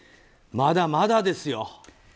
まだまだですよ。